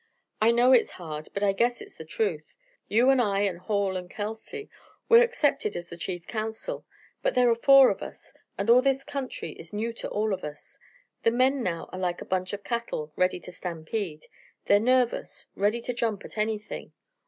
"I know it's hard, but I guess it's the truth. You and I and Hall and Kelsey we're accepted as the chief council. But there are four of us, and all this country is new to all of us. The men now are like a bunch of cattle ready to stampede. They're nervous, ready to jump at anything.